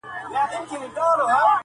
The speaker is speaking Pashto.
يوه کډه دبلي زړه کاږي.